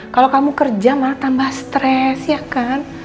kalau kamu kerja malah tambah stres ya kan